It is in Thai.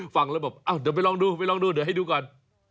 ฟังแล้วแบบอ้าวเดี๋ยวไปลองดูไปลองดูเดี๋ยวให้ดูก่อน